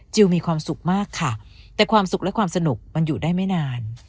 มีความสุขมากค่ะแต่ความสุขและความสนุกมันอยู่ได้ไม่นาน